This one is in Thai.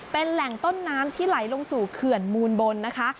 เป็นแหล่งต้นน้ำที่ไหลลงสู่เขื่อนมูลบนนะคะ